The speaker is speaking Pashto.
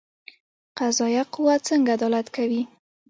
قضایه قوه څنګه عدالت کوي؟